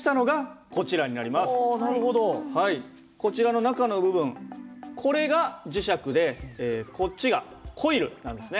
こちらの中の部分これが磁石でこっちがコイルなんですね。